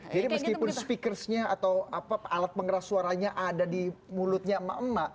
jadi meskipun speakersnya atau alat penggerak suaranya ada di mulutnya emak emak